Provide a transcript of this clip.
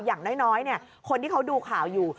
อย่างน้อยคนที่เขาดูข่าวอยู่